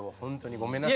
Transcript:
ごめんなさい。